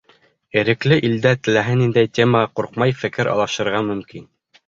Ирекле илдә теләһә ниндәй темаға ҡурҡмай фекер алышырға мөмкин.